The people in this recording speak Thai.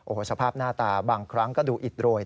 โอ้โหสภาพหน้าตาบางครั้งก็ดูอิดโรย